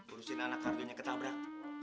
urusin anak kardunya ketabrak